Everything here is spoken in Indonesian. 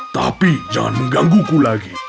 tapi jangan menggangguku lagi